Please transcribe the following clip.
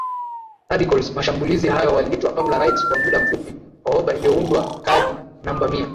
radicals mashambulizi hayo waliitwa Palmer Raids Kwa muda mfupi Hoover iliyoundwa kadi namba mia